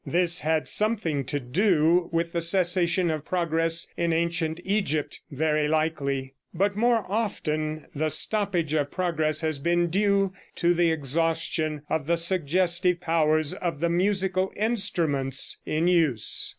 This had something to do with the cessation of progress in ancient Egypt, very likely; but more often the stoppage of progress has been due to the exhaustion of the suggestive powers of the musical instruments in use.